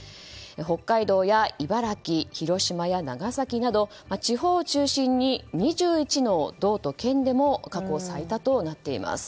北海道や茨城、広島や長崎など地方を中心に２１の道と県でも過去最多となっています。